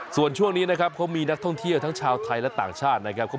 ส่วนช่วงนี้นะครับเขามีนักท่องเที่ยวทั้งชาวไทยและต่างชาตินะครับ